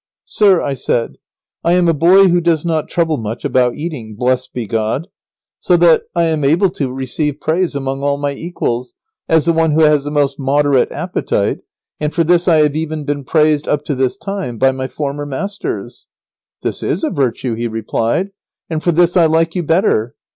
"Sir," I said, "I am a boy who does not trouble much about eating, blessed be God! So that I am able to receive praise among all my equals, as the one who has the most moderate appetite, and for this I have even been praised, up to this time, by my former masters." "This is a virtue," he replied, "and for this I like you better.